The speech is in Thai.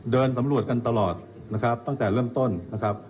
เดินสำรวจกันตลอดนะครับตั้งแต่เริ่มต้นนะครับ